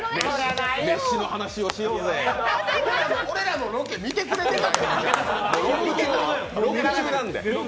俺らのロケ見てくれてた？